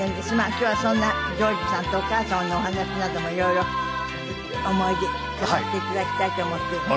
今日はそんな譲二さんとお母様のお話などもいろいろ思い出聞かせていただきたいと思っています。